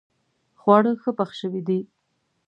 خواړه ښه پخ شوي دي